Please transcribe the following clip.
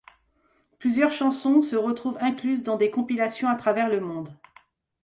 Plusieurs chansons se retrouvent incluses dans des compilations à travers le monde.